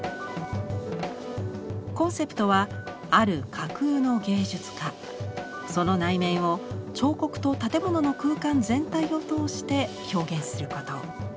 コンセプトはある架空の芸術家その内面を彫刻と建物の空間全体を通して表現すること。